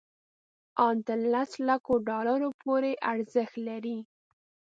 ان تر لس لکو ډالرو پورې ارزښت لري.